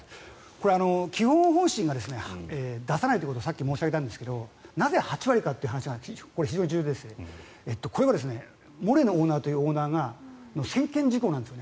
これ、基本方針が出さないということをさっき申し上げたんですがなぜ８割かという話が非常に重要でしてこれ、モレノオーナーというオーナーの専権事項なんです。